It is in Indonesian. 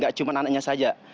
ada orang tidak hanya anaknya saja